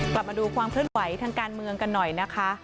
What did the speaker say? มาดูความเคลื่อนไหวทางการเมืองกันหน่อยนะคะ